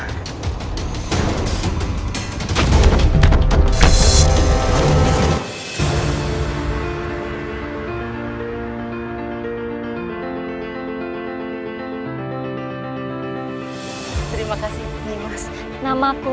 biar aku saja yang bayar